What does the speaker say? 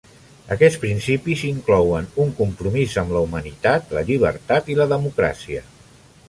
Aquests principis inclouen un compromís amb la humanitat, la llibertat i la democràcia.